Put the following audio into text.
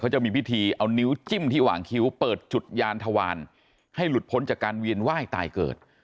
จะมีพิธีเอานิ้วจิ้มที่หว่างคิ้วเปิดจุดยานทวารให้หลุดพ้นจากการเวียนไหว้ตายเกิด